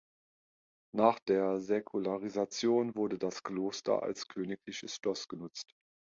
Nach der Säkularisation wurde das Kloster als königliches Schloss genutzt.